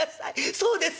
そうです。